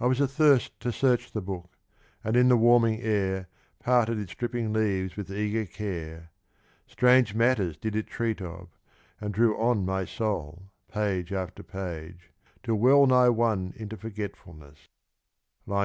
I was athirst To search the lx)ok, and in the wanninj^ air Parted its drippint,' leaves with eager care. Strange matters did it treat of, and drew on My soul page after page, till well nigh won Into forgetfulness : (III.